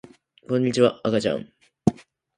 こんにちは、あかちゃん